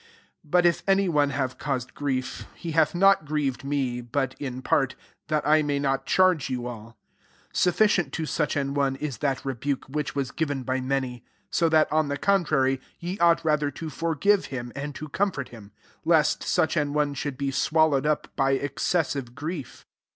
.5 But if any one have caus ed grief, he hath not grieved me, but in part ; that I may hot charge you all. 6 Sufficient to such an one ia that rebuke, which waa given by many : 7 so that, on the contrary, ye ought rather te forgive him^ and to comfort hirti'j lest such an one should be .swallowed up by excessive grief.